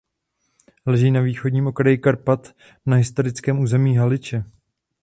Leží na východním okraji Karpat na historickém území Haliče.